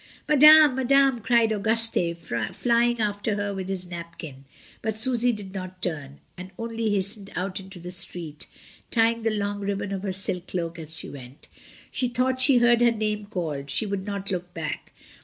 "Madame! Madame!" cried Auguste, flying after her with his napkin; but Susy did not turn, and only hastened out into the street, tying the long ribbon of her silk cloak as she went. She thought she heard her name called, she would not look back.